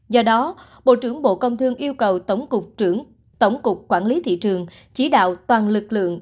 do đó bộ trưởng bộ công thương yêu cầu tổng cục quản lý thị trường chỉ đạo toàn lực lượng